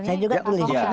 saya juga tulis ya